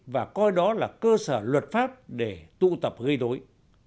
và coi đó là cơ sở luật pháp để tụ tập gây đối